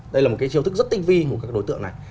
đây là một cái chiêu thức rất tinh vi của các đối tượng này